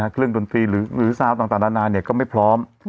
เครื่องดนตรีหรือซาวต่างนานาก็ไม่พร้อม